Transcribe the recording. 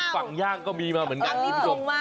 ฝั่งย่างก็มีมาเหมือนกัน